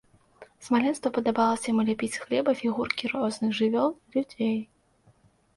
З маленства падабалася яму ляпіць з хлеба фігуркі розных жывёл, людзей.